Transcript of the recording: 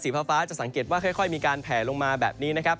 ฟ้าจะสังเกตว่าค่อยมีการแผลลงมาแบบนี้นะครับ